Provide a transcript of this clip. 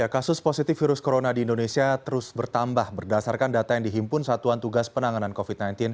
kasus positif virus corona di indonesia terus bertambah berdasarkan data yang dihimpun satuan tugas penanganan covid sembilan belas